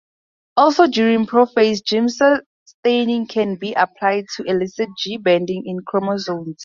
Also during prophase, giemsa staining can be applied to elicit G-banding in chromosomes.